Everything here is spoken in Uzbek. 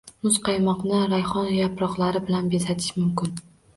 Muzqaymoqni rayhon yaproqlari bilan bezatish mumkin